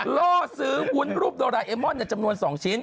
ล่อซื้อวุ้นรูปโดราเอมอนจำนวน๒ชิ้น